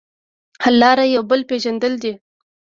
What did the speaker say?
حل لاره یو بل پېژندل دي.